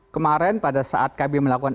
kemarin pada saat kb melakukan